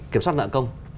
kiểm soát nợ công